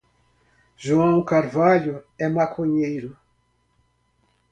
João Carvalho é maconheiro